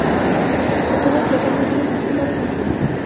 হোটেলের দোকানে ওগুলো বিক্রি করে নাকি?